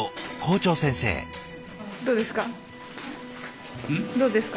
どうですか？